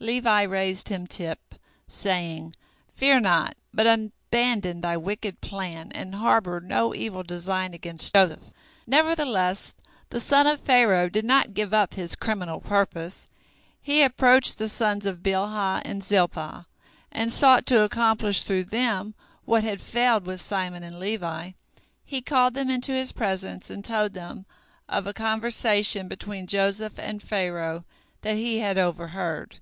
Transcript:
Levi raised him tip, saying, "Fear not, but abandon thy wicked plan, and harbor no evil design against Joseph." Nevertheless the son of Pharaoh did not give up his criminal purpose. He approached the sons of Bilhah and Zilpah, and sought to accomplish through them what had failed with Simon and Levi. He called them into his presence, and told them of a conversation between Joseph and Pharaoh that he had overheard.